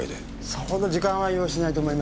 さほど時間は要しないと思います。